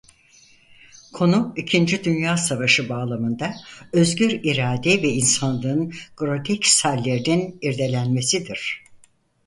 Konu ikinci Dünya Savaşı bağlamında özgür irade ve insanlığın grotesk hallerinin irdelenmesidir.